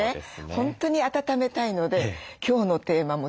本当に温めたいので今日のテーマも興味津々です。